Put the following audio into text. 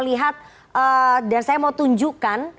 lihat dan saya mau tunjukkan